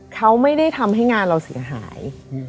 เขาไม่ได้ทำให้งานเราเสียหาย